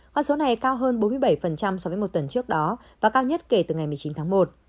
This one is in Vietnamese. con số này cao hơn bốn mươi bảy so với một tuần trước đó và cao nhất kể từ ngày một mươi chín tháng một